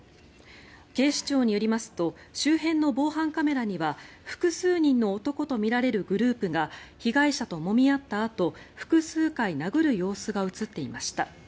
警視庁によりますと周辺の防犯カメラには複数人の男とみられるグループが被害者ともみ合ったあと複数回殴る様子が映っていました。